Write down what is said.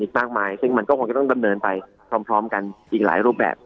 มากมายซึ่งมันก็คงจะต้องดำเนินไปพร้อมกันอีกหลายรูปแบบ